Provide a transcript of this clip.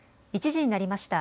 １時になりました。